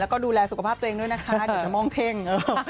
ก็ดูแลสุขภาพตัวเองด้วยนะคะอย่าจะมองเท่ง